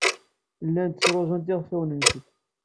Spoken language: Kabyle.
Llant ttruẓunt iɣfawen-nsent.